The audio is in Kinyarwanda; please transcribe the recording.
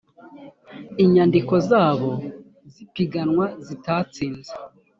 inyandiko zabo z ipiganwa zitatsinze